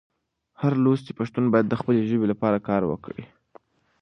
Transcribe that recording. هر لوستی پښتون باید د خپلې ژبې لپاره کار وکړي.